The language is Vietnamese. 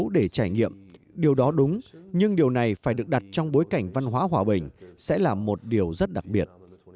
điều đó đúng nhưng điều này phải được đặt trong bối cảnh văn hóa hòa bình sẽ là một điều rất đặc biệt